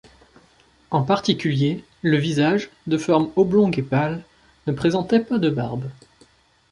En particulier, le visage, de forme oblongue et pâle, ne présentait pas de barbe.